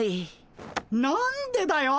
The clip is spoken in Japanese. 何でだよ！